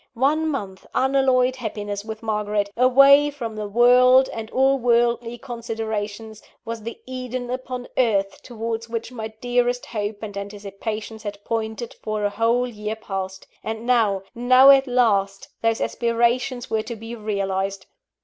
One month's unalloyed happiness with Margaret, away from the world and all worldly considerations, was the Eden upon earth towards which my dearest hope and anticipations had pointed for a whole year past and now, now at last, those aspirations were to be realized!